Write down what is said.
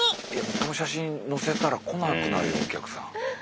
この写真載せたら来なくなるよお客さん。